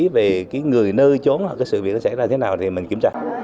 về cái người nơi trốn cái sự việc đó sẽ ra thế nào thì mình kiểm tra